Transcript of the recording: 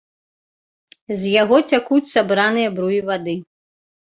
З яго цякуць сабраныя бруі вады.